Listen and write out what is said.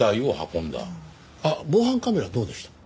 あっ防犯カメラどうでした？